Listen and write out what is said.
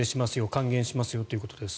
還元しますよということです。